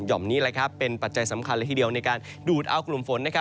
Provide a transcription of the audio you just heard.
่อมนี้เป็นปัจจัยสำคัญเลยทีเดียวในการดูดเอากลุ่มฝน